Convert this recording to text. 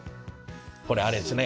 これ、あれですね。